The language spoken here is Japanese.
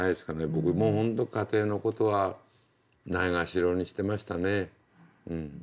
僕も本当家庭のことはないがしろにしてましたね。